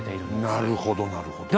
なるほどなるほど。